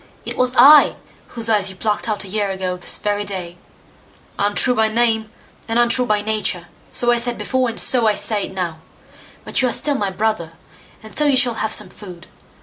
"It was I whose eyes you plucked out a year ago this very day. Untrue by name, and untrue by nature; so I said before, and so I say now; but you are still my brother, and so you shall have some food.